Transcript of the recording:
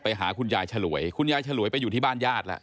ไปหาคุณยายฉลวยคุณยายฉลวยไปอยู่ที่บ้านญาติแล้ว